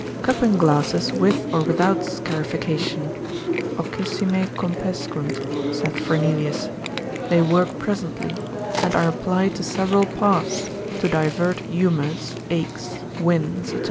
Cupping glasses with or without scarification, ocyssime compescunt, saith Fernelius, they work presently, and are applied to several parts, to divert humours, aches, winds, &c.